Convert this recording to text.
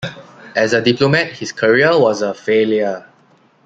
As a diplomat, his career was a failure.